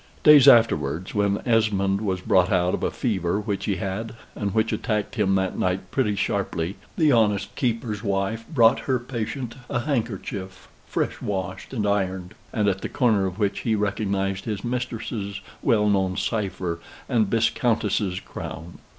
Days afterwards, when Esmond was brought out of a fever which he had, and which attacked him that night pretty sharply, the honest keeper's wife brought her patient a handkerchief fresh washed and ironed, and at the corner of which he recognized his mistress's well known cipher and viscountess's crown.